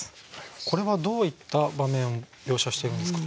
これはどういった場面描写しているんですか？